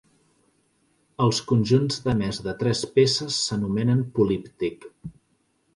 Els conjunts de més de tres peces s'anomenen políptic.